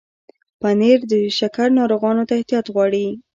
پنېر د شکر ناروغانو ته احتیاط غواړي.